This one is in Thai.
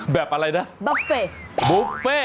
แบบอะไรนะบุฟเฟ่บุฟเฟ่